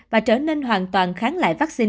và trở nên hoàn toàn kháng lại vắc xin